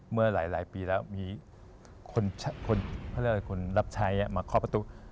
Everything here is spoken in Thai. เมื่อหลายปีแล้วมีคนรับชัยมาเคาะประตู